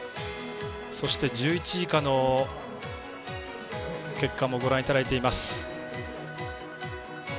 そして１１位以下の結果もご覧いただいています。